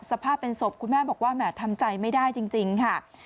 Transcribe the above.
สภาพเป็นศพคุณแม่บอกว่าแหมทำใจไม่ได้จริงค่ะ